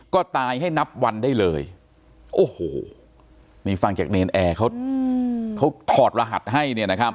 ก็ตายให้นับวันได้เลยโอ้โหมีฟังจากเนรนแอร์เขาถอดรหัสให้